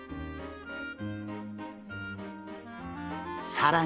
さらに。